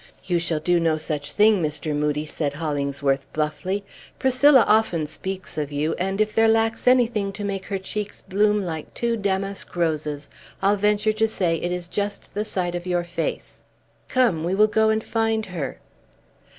"You shall do no such thing, Mr. Moodie," said Hollingsworth bluffly. "Priscilla often speaks of you; and if there lacks anything to make her cheeks bloom like two damask roses, I'll venture to say it is just the sight of your face. Come, we will go and find her."